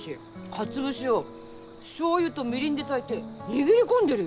かつ節をしょうゆとみりんで炊いて握り込んでるよ！